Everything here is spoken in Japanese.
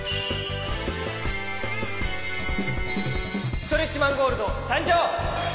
ストレッチマン・ゴールドさんじょう！